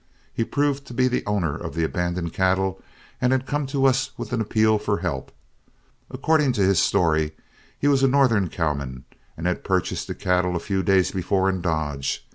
He proved to be the owner of the abandoned cattle, and had come to us with an appeal for help. According to his story, he was a Northern cowman and had purchased the cattle a few days before in Dodge.